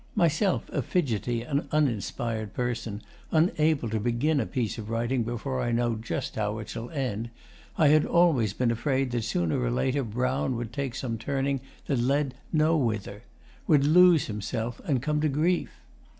Myself a fidgety and uninspired person, unable to begin a piece of writing before I know just how it shall end, I had always been afraid that sooner or later Brown would take some turning that led nowhither would lose himself and come to grief.